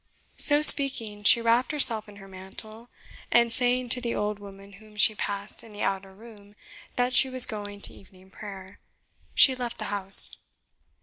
So speaking, she wrapped herself in her mantle, and saying to the old woman whom she passed in the outer room that she was going to evening prayer, she left the house.